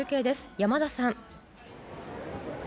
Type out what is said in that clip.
山田さん。